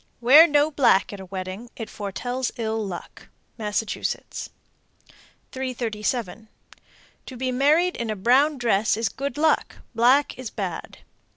Wear no black at a wedding; it foretells ill luck. Massachusetts. 337. To be married in a brown dress is good luck; black is bad.